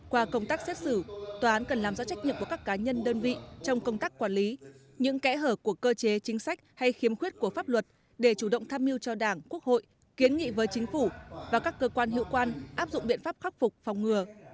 qua công tác xét xử tòa án cần làm rõ trách nhiệm của các cá nhân đơn vị trong công tác quản lý những kẽ hở của cơ chế chính sách hay khiếm khuyết của pháp luật để chủ động tham mưu cho đảng quốc hội kiến nghị với chính phủ và các cơ quan hiệu quan áp dụng biện pháp khắc phục phòng ngừa